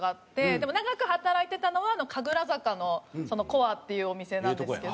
でも長く働いてたのは神楽坂のコアっていうお店なんですけど。